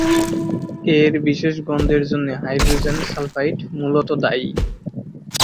এর বিশেষ গন্ধের জন্য হাইড্রোজেন সালফাইড মূলত দায়ী।